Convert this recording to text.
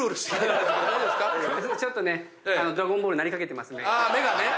ちょっとねドラゴンボールになりかけてます目が。